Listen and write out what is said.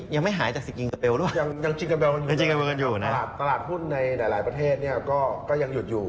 ยังจิงกะแบลกันอยู่ตลาดหุ้นในหลายประเทศก็ยังหยุดอยู่